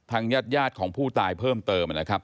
ญาติของผู้ตายเพิ่มเติมนะครับ